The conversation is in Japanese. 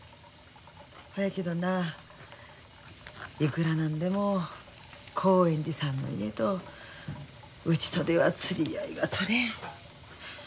ほやけどないくら何でも興園寺さんの家とうちとでは釣り合いが取れん。